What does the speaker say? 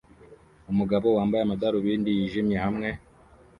Umugabo wambaye amadarubindi yijimye hamwe